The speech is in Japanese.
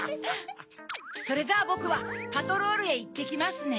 それじゃあボクはパトロールへいってきますね。